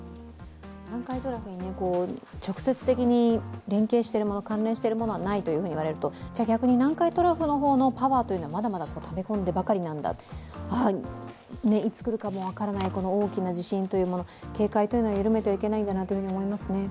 南海トラフに直接的に連携しているもの、関連しているものがないと言われるとじゃ、逆に南海トラフの方のパワーはため込んでばかりなんだ、ああ、いつ来るかも分からない大きな地震というもの、警戒を緩めてはいけないんだなと思いますね。